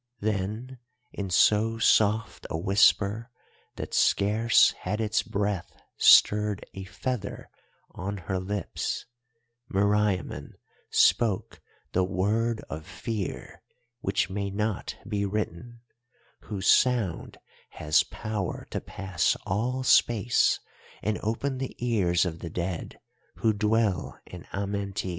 "Then in so soft a whisper that scarce had its breath stirred a feather on her lips, Meriamun spoke the Word of Fear which may not be written, whose sound has power to pass all space and open the ears of the dead who dwell in Amenti.